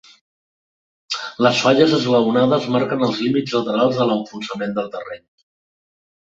Les falles esglaonades marquen els límits laterals de l'enfonsament del terreny.